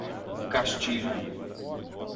Castilho